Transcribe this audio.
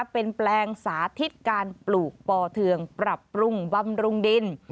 เป็นแปลงสาธิตการปลูกปอเทืองปรับปรุงบำรุงดิน